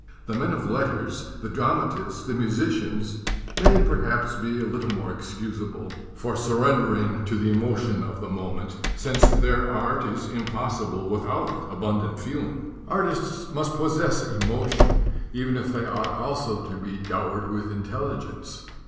The men of letters, the drama tists, the musicians, may perhaps be a little more excusable for surrendering to the emotion of the moment, since their art is impossible without abundant feeling. Artists must possess emotion, even if they ought also to be dowered with intelligence.